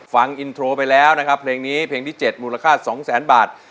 ฟังอินโทรไปแล้วนะครับเพลงนี้เพลงที่๗มูลค่า๒แสนบาท